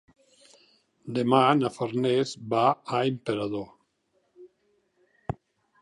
Demà na Farners va a Emperador.